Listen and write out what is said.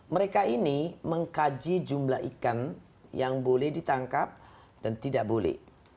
mereka ini mengkaji jumlah ikan yang boleh ditangkap dan tidak boleh